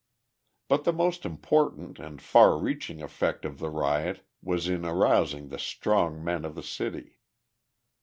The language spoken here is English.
But the most important and far reaching effect of the riot was in arousing the strong men of the city.